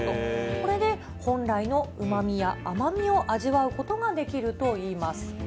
これで本来のうまみや甘みを味わうことができるといいます。